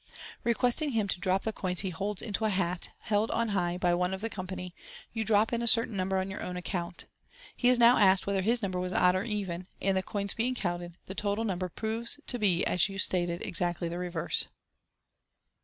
Re questing him to drop the coins he holds into a hat, held on high by one of the company, you drop in a certain number on your own account. He is now asked whether his number was «>dd or even ; and, the coins being counted, the total number proves to be as you stated, exactly the reverse.